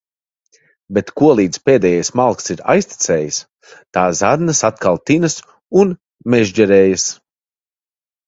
Bet kolīdz pēdējais malks ir aiztecējis, tā zarnas atkal tinas un mežģerējas.